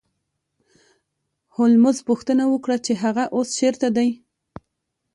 هولمز پوښتنه وکړه چې هغه اوس چیرته دی